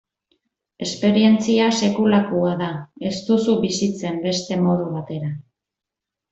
Esperientzia sekulakoa da, ez duzu bizitzen beste modu batera.